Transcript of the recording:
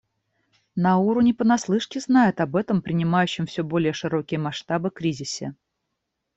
Науру не понаслышке знает об этом принимающем все более широкие масштабы кризисе.